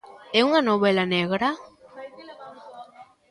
É unha novela negra?